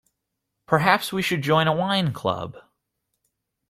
Perhaps we should join a wine club.